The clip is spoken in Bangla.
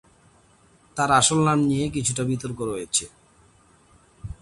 তার আসল নাম নিয়ে কিছুটা বিতর্ক রয়েছে।